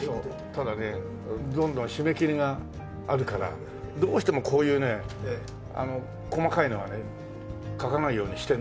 ただねどんどん締め切りがあるからどうしてもこういうね細かいのはね描かないようにしてるんですよ。